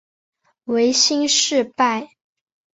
维新事败。